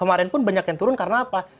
kemarin pun banyak yang turun karena apa